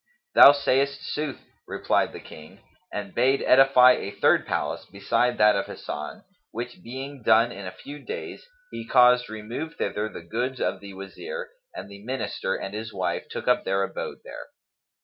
"Thou sayest sooth," replied the King, and bade edify a third palace beside that of Hasan, which being done in a few days he caused remove thither the goods of the Wazir, and the Minister and his wife took up their abode there.